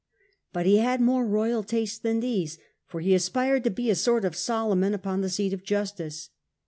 But he had more royal tastes than these, for he aspired to be a sort of Solomon upon the seat of justice.